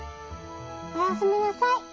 おやすみなさい。